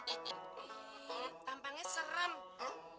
ihh tampangnya serem